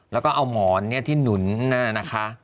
แล้วก็เอาหมอนที่หนุนนะคะ